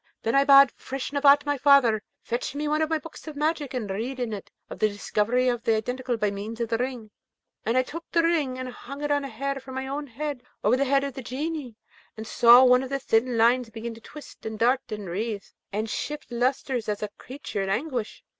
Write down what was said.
Then I bade Feshnavat, my father, fetch me one of my books of magic, and read in it of the discovery of the Identical by means of the Ring; and I took the Ring and hung it on a hair of my own head over the head of the Genie, and saw one of the thin lengths begin to twist and dart and writhe, and shift lustres as a creature in anguish.